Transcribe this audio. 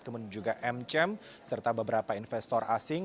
kemudian juga mcm serta beberapa investor asing